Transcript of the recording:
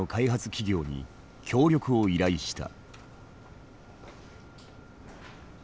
企業に協力を依頼した。